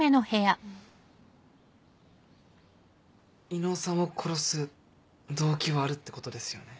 伊能さんを殺す動機はあるってことですよね。